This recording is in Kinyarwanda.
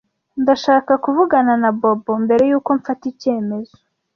Ndashaka kuvugana na Bobo mbere yuko mfata icyemezo.